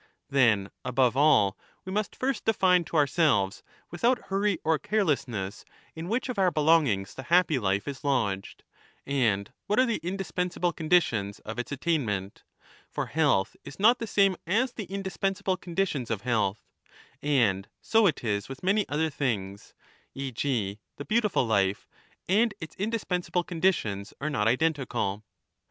Then above all we must first define to ourselves without hurry or carelessness in which of our belongings the happy life is lodged, and what are the indispensable conditions of its attainment — for health is not the same as 15 the indispensable conditions of health ; and so it is with many other things, e.g. the beautiful life and its indispen sable conditions are not identical.